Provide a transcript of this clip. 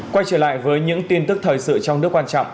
quay trở lại với những tin tức thời sự trong nước quan trọng